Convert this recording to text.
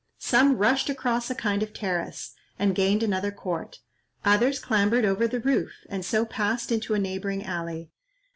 Some rushed across a kind of terrace, and gained another court; others clambered over the roof, and so passed into a neighbouring alley.